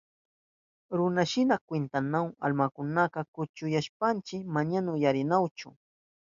Runashina kwintanahun almakunaka, kuchuyashpanchi manaña uyarinahunchu.